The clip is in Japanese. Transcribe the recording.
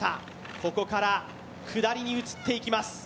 ここから下りに移っていきます。